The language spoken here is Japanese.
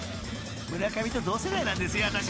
村上と同世代なんですよ私は］